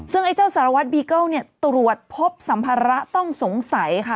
ซึ่งไอ้เจ้าสารวัตรบีเกิ้ลเนี่ยตรวจพบสัมภาระต้องสงสัยค่ะ